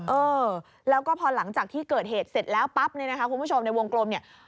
เออแล้วก็พอหลังจากที่เกิดเหตุเสร็จแล้วปั๊บเนี่ยนะคะคุณผู้ชมในวงกลมเนี่ย